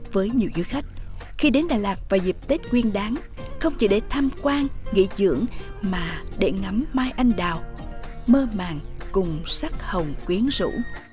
với nhiều du khách khi đến đà lạt vào dịp tết nguyên đáng không chỉ để tham quan nghỉ dưỡng mà để ngắm mai anh đào mơ màng cùng sắc hồng quyến rũ